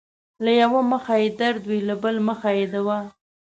له يؤه مخه يې درد وي له بل مخه يې دوا